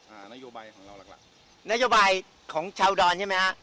อ่านโยบายของเราหลักหลักนโยบายของชาวอุดรใช่ไหมฮะ